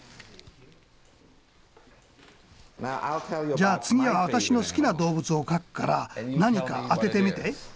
じゃあ次は私の好きな動物を描くから何か当ててみて。